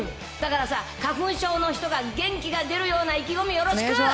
だからさ、花粉症の人が元気が出るような意気込みよろしく。